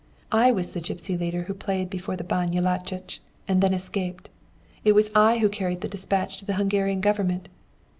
I was the gipsy leader who played before the Ban Jellachich, and then escaped. It was I who carried the despatch to the Hungarian Government.